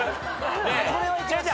これはいけます。